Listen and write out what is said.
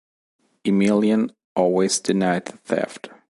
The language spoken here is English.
Emelyan always denied the theft.